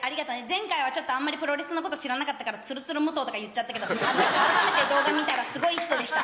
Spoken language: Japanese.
前回はちょっと、あんまりプロレスのこと知らなかったから、つるつる武藤とか言っちゃったけど、改めて動画見たら、すごい人でした。